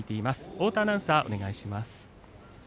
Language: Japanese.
太田アナウンサー、お願いします。